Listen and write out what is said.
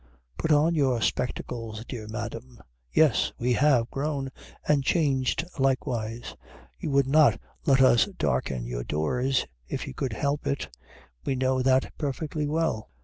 Put on your spectacles, dear madam. Yes, we have grown, and changed likewise. You would not let us darken your doors, if you could help it. We know that perfectly well.